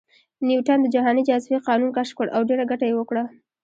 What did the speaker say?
نیوټن د جهاني جاذبې قانون کشف کړ او ډېره ګټه یې وکړه